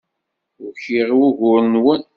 Ukiɣ i wugur-nwen.